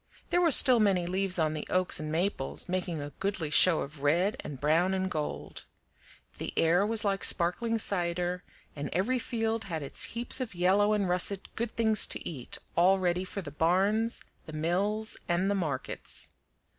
There were still many leaves on the oaks and maples, making a goodly show of red and brown and gold. The air was like sparkling cider, and every field had its heaps of yellow and russet good things to eat, all ready for the barns, the mills, and the markets.